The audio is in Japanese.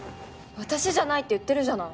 私じゃないって言ってるじゃない。